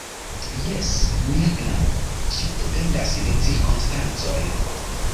Jes, mia knabo; ĉio dependas de cirkonstancoj.